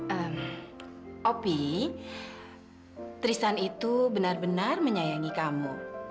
eh opie tristan itu benar benar menyayangi kamu